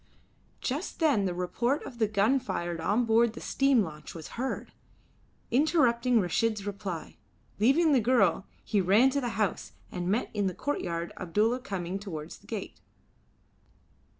Just then the report of the gun fired on board the steam launch was heard, interrupting Reshid's reply. Leaving the girl he ran to the house, and met in the courtyard Abdulla coming towards the gate.